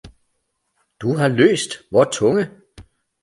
Du har løst vor tunge!